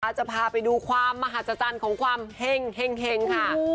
จะพาไปดูความมหาศจรรย์ของความเห็งค่ะ